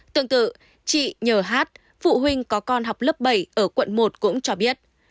tương tự chị nhh phụ huynh có con học lớp bảy ở quận một cũng cho biết